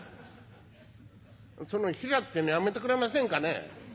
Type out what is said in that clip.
「その平ってえのやめてくれませんかね？」。